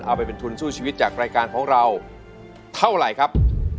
เอาไปเป็นทุนสู้ชีวิตจากรายการของเราเท่าไหร่ครับ